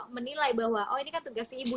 menilai bahwa oh ini kan tugas si ibu